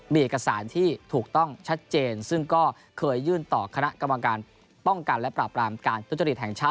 มีเอกสารที่ถูกต้องชัดเจนซึ่งก็เคยยื่นต่อคณะกรรมการป้องกันและปราบรามการทุจริตแห่งชาติ